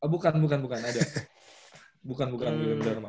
bukan bukan bukan ada bukan bukan william dharma